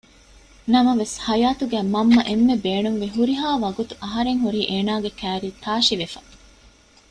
ނަމަވެސް ހަޔާތުގައި މަންމަ އެންމެ ބޭނުންވި ހުރިހާ ވަގުތު އަހަރެން ހުރީ އޭނަ ކައިރީ ތާށިވެފަ